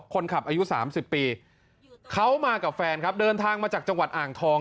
คนขับอายุ๓๐ปีเขามากับแฟนครับเดินทางมาจากจังหวัดอ่างทอง